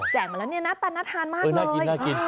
แจกมาแล้วน่าทานมากเลยเออน่ากิน